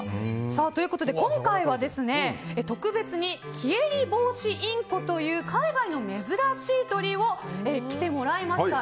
今回は特別にキエリボウシインコという海外の珍しい鳥に来てもらいました。